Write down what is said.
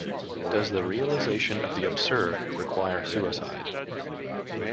Does the realization of the absurd require suicide?